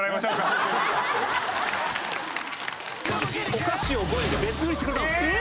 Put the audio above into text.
お菓子を５円で別売りしてくれたんです。